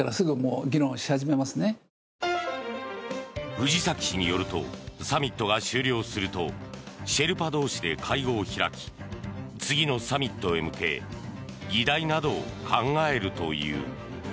藤崎氏によるとサミットが終了するとシェルパ同士で会合を開き次のサミットへ向け議題などを考えるという。